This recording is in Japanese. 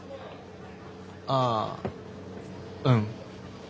ああうん。